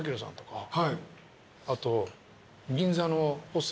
あと。